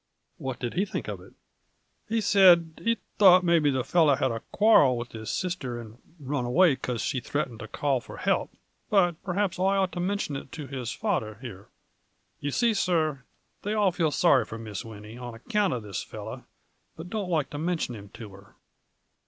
" What did he think of it ?"" He said, ' he thought maybe the fellow had a quarrel with his sister and run away because she threatened to call for help, but perhaps I might mintion it to his father here.' You see, sir, they all feel sorry for Miss Winnie on ac count of this fellow, but don't loike to mintion him to her."